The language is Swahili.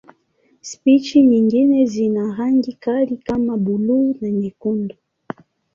Spishi nyingine zina rangi kali kama buluu na nyekundu.